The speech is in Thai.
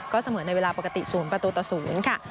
ก็เสมอในเวลาปกติศูนย์ประตูต่อศูนย์ค่ะ